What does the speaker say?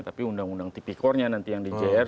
tapi undang undang tipikornya nanti yang di jr